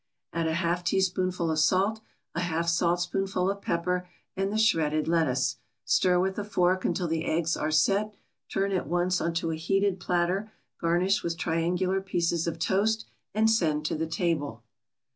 Add a half teaspoonful of salt, a half saltspoonful of pepper and the shredded lettuce. Stir with a fork until the eggs are "set," turn at once onto a heated platter, garnish with triangular pieces of toast and send to the table.